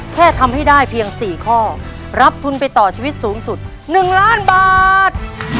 แค่ทำให้ได้เพียง๔ข้อรับทุนไปต่อชีวิตสูงสุด๑ล้านบาท